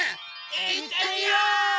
いってみよ！